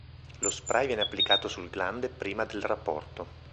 Lo spray viene applicato sul glande prima del rapporto.